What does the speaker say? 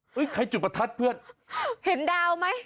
ใครจุดประทัดเพื่อนเห็นดาวไหม